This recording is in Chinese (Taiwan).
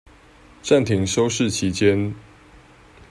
暫停收視期間